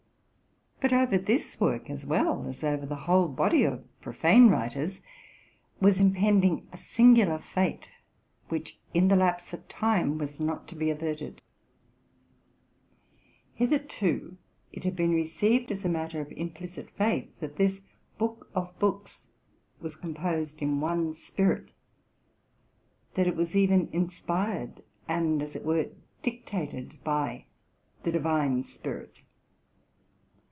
But over this work, as well as over the whole body of pro fane writers, was impending a singular fate, which, in the lapse of time, was not to be averted. Hitherto it had been received as a matter of implicit faith, that this book of hooks was composed in one spirit; that it was even inspired, and, as it were, dictated by the Divine Spirit.